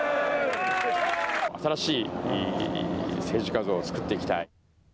新しい政治家像を作っていきたい。